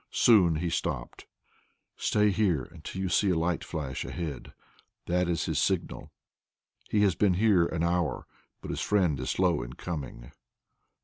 Soon he stopped. "Stay here until you see a light flash ahead; that is his signal. He has been here an hour, but his friend is slow in coming."